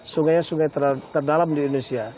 sungai sungai terdalam di indonesia